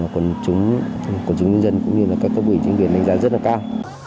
quân chủ nhân dân cũng như các cấp ủy chính quyền đánh giá rất cao